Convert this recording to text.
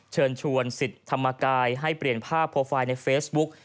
เชิญชวนสิทธิ์ธรรมกายให้เปลี่ยนภาพโปรไฟล์ในเฟซบุ๊ก